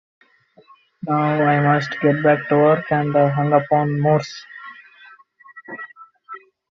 Now I must get back to work, and hung up on Morse.